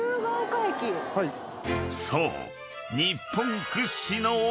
［そう］